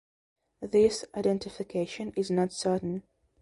This identification is not certain.